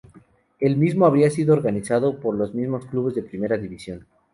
El mismo habría sido organizado por los mismos clubes de Primera División.